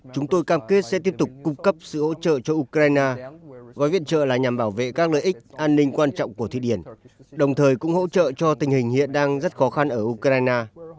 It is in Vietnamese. chúng tôi cam kết sẽ tiếp tục cung cấp sự hỗ trợ cho ukraine gói viện trợ là nhằm bảo vệ các lợi ích an ninh quan trọng của thúy điển đồng thời cũng hỗ trợ cho tình hình hiện đang rất khó khăn ở ukraine